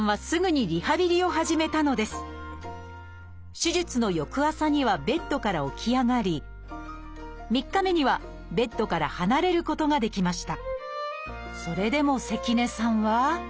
手術の翌朝にはベッドから起き上がり３日目にはベッドから離れることができました。